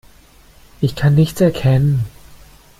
Ich kann nichts erkennen.